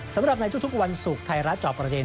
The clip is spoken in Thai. สำหรับในทุกวันศุกร์ไทยรัฐจอบประเด็น